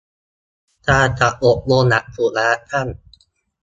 การจัดอบรมหลักสูตรระยะสั้น